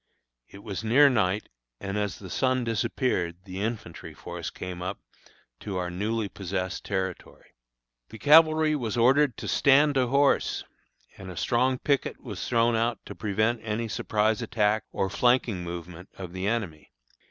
It was near night, and as the sun disappeared the infantry force came up to our newly possessed territory. The cavalry was ordered to "stand to horse," and a strong picket was thrown out to prevent any surprise attack or flanking movement of the enemy.